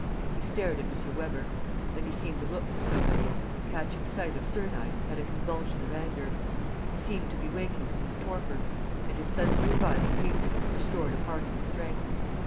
He stared at M. Weber. Then he seemed to look for somebody and, catching sight of Sernine, had a convulsion of anger. He seemed to be waking from his torpor; and his suddenly reviving hatred restored a part of his strength.